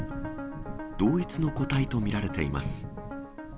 同一の個体と見られています。